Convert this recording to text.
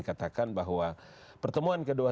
katakan bahwa pertemuan kedua